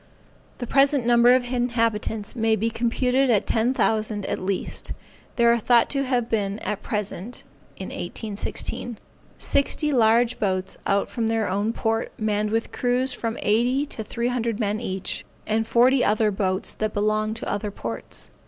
The present number of inhabitants may be computed at ten thousand at least. They are thought to have at present (1816), sixty large boats out from their own port, manned with crews of from eighty, to three hundred men each, and forty other boats that belong to other ports.